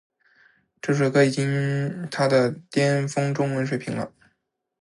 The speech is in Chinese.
这首歌已经她的巅峰中文水平了